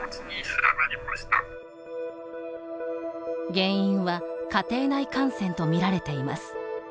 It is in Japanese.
原因は、家庭内感染とみられています。